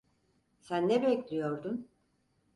Sen ne bekliyordun?